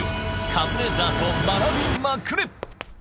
カズレーザーと学びまくれ！